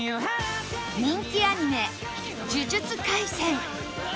人気アニメ『呪術廻戦』